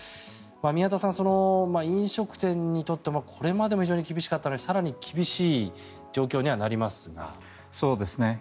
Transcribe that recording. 宮田さん、飲食店にとってもこれまでも非常に厳しかったのに更に厳しい状況にはなりますが。